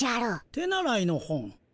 手習いの本？